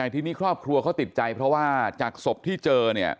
ทีนี้ครอบครัวเขาติดใจเพราะว่าจากศพที่เจอเนี่ย